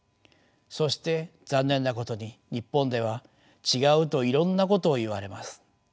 そして残念なことに日本では違うといろんなことを言われます。